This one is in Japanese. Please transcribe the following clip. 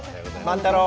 万太郎。